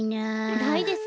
ないですね。